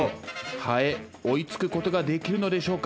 ハエ追いつくことができるのでしょうか？